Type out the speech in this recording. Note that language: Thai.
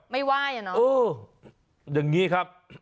ไม่ไหว้อ่ะเนาะเอออย่างนี้ครับ